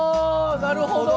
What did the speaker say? なるほど。